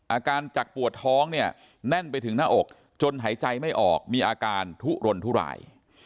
อาการจากปวดท้องเนี่ยแน่นไปถึงหน้าอกจนหายใจไม่ออกมีอาการทุรนทุราย